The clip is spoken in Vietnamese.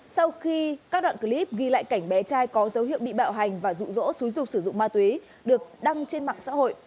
sau khi các đoạn clip ghi lại cảnh bé trai có dấu hiệu bị bạo hành và rụ rỗ xúi rục sử dụng ma túy được đăng trên mạng xã hội